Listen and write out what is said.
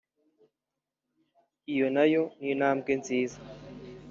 iyo na yo ni intambwe nziza